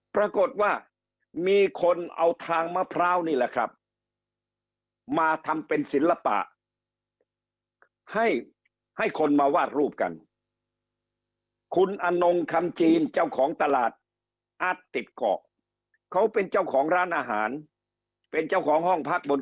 ปรากฏว่ามีคนเอาทางมะพร้าวนี่แหละครับมาทำเป็นศิลปะให้ให้คนมาวาดรูปกันคุณอนงคำจีนเจ้าของตลาดอาร์ตติดเกาะเขาเป็นเจ้าของร้านอาหารเป็นเจ้าของห้องพักบน